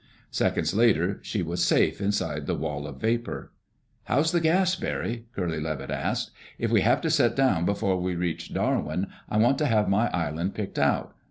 Seconds later she was safe inside the wall of vapor. "How's the gas, Barry?" Curly Levitt asked. "If we have to set down before we reach Darwin, I want to have my island picked out.